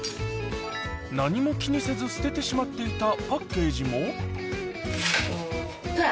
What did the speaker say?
何も気にせず捨ててしまっていたパッケージもえっとプラ。